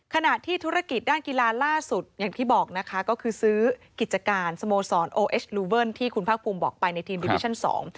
ขณะที่ธุรกิจด้านกีฬาล่าสุดอย่างที่บอกนะคะก็คือซื้อกิจการสโมสรโอเอชลูเบิ้ลที่คุณภาคภูมิบอกไปในทีมดิวิชั่นสอง